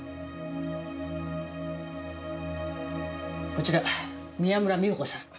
こちら宮村美保子さん。